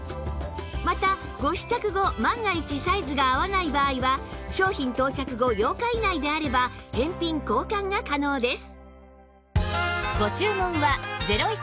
またご試着後万が一サイズが合わない場合は商品到着後８日以内であれば返品・交換が可能です